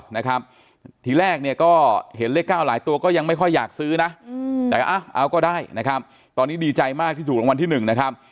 นะครับทีแรกเนี่ยก็เห็นเลข๙หลายตัวก็ยังไม่ค่อยอยากซื้อนะแต่เอาก็ได้นะครับตอนนี้ดีใจมากที่ถูกรางวัลที่หนึ่งนะครับ